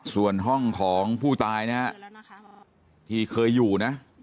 ส่วนห้องของผู้ตายนะฮะที่เคยอยู่นะ